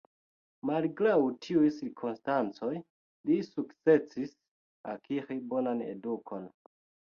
Malgraŭ tiuj cirkonstancoj, li sukcesis akiri bonan edukon.